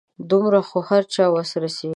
دومره خو د هر چا وس رسيږي .